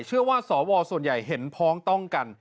เชื่อว่าสวส่วนใหญ่เห็นพ้องต้องกัน